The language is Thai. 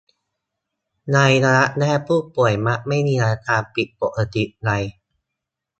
ในระยะแรกผู้ป่วยมักไม่มีอาการผิดปกติใด